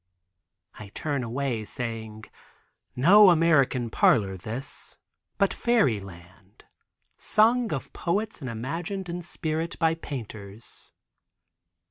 I turn away saying: "No American parlor this, but fairyland, sung of poets and imagined in spirit by painters.